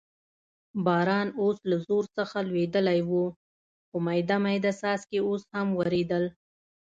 باران اوس له زور څخه لوېدلی و، خو مېده مېده څاڅکي اوس هم ورېدل.